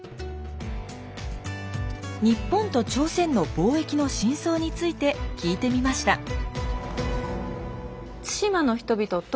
日本と朝鮮の貿易の真相について聞いてみました。